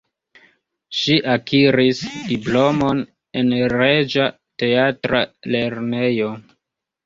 Ŝi akiris diplomon en Reĝa Teatra Lernejo.